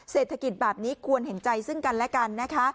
เศรษฐกิจแบบนี้ควรเห็นใจซึ่งกันและกันนะคะ